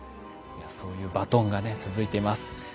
そういうバトンがね続いています。